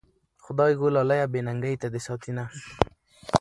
خدايږو لالیه بې ننګۍ ته دي ساتينه